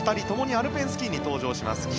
ともにアルペンスキーに出場します。